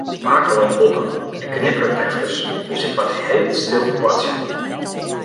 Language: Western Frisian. Pake leit boppe en knipperet efkes, dus ik moat heel stil boartsje.